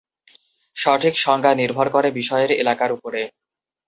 সঠিক সংজ্ঞা নির্ভর করে বিষয়ের এলাকার উপরে।